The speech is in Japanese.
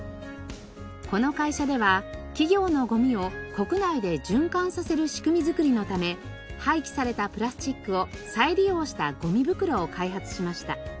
この会社では企業のごみを国内で循環させる仕組み作りのため廃棄されたプラスチックを再利用したごみ袋を開発しました。